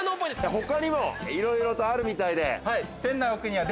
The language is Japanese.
他にもいろいろとあるみたいで。